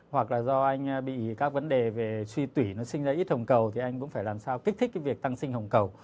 hoặc là do anh bị các vấn đề về suy tủy nó sinh ra ít hồng cầu thì anh cũng phải làm sao kích thích cái việc tăng sinh hồng cầu